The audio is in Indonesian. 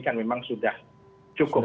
kan memang sudah cukup